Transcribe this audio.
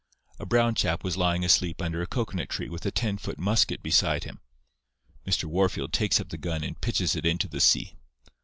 A brown chap was lying asleep under a cocoanut tree, with a ten foot musket beside him. Mr. Wahrfield takes up the gun and pitches it into the sea.